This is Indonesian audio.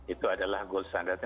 itu adalah goal standar